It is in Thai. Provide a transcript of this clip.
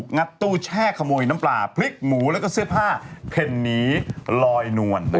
งัดตู้แช่ขโมยน้ำปลาพริกหมูแล้วก็เสื้อผ้าเพ่นหนีลอยนวล